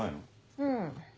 うん。